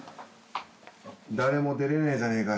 誰も出れねえじゃねえか。